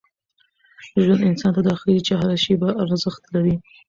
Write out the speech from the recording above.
ژوند انسان ته دا ښيي چي هره شېبه ارزښت لري.